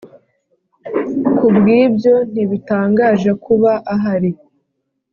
Ku bw ibyo ntibitangaje kuba ahari